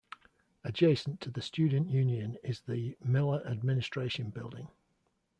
Adjacent to the Student Union is the Miller Administration Building.